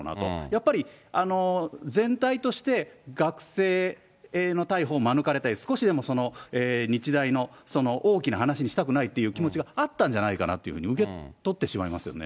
やっぱり、全体として、学生の逮捕を免れたい、少しでも日大の大きな話にしたくないっていう気持ちがあったんじゃないかなっていうふうに受け取ってしまいますよね。